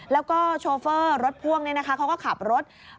แล้วก็โชเฟอร์รถพ่วงเขาก็ขับรถ